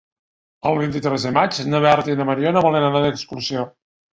El vint-i-tres de maig na Berta i na Mariona volen anar d'excursió.